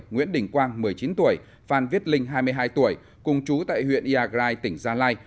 nguyễn đình quang một mươi chín tuổi phan viết linh hai mươi hai tuổi cùng chú tại huyện iagrai tỉnh gia lai